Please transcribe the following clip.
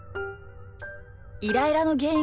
イライラのげん